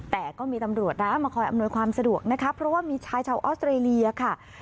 แต่ก็มีตำรวจนะมาคอยอำนวยความสะดวกนะคะเพราะว่ามีชายชาวออสเตรเลียค่ะ